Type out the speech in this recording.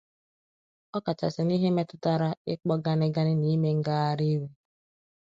ọ kachasị n'ihe metụtara ịkpọ ganị ganị na ime ngagharị iwe